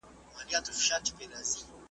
لکه شمع لمبه خورم لمبه مي وخوري .